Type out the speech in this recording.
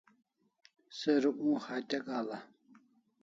Se Rukmu hatya ga'l'a